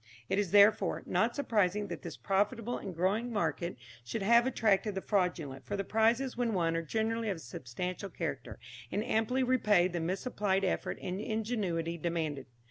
It is, therefore, not surprising that this profitable and growing market should have attracted the fraudulent, for the prizes when won are generally of a substantial character, and amply repay the misapplied effort and ingenuity demanded.